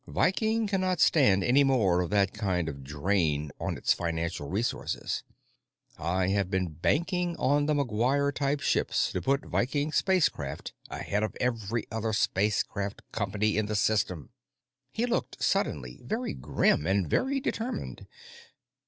Viking cannot stand any more of that kind of drain on its financial resources. I have been banking on the McGuire type ships to put Viking Spacecraft ahead of every other spacecraft company in the System." He looked suddenly very grim and very determined.